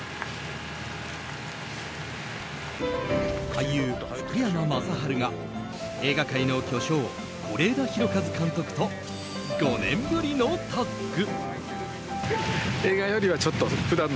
俳優・福山雅治が映画界の巨匠・是枝裕和監督と５年ぶりのタッグ。